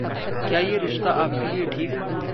क्या ये रिश्ता आपके लिए ठीक है?